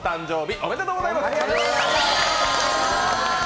ありがとうございます。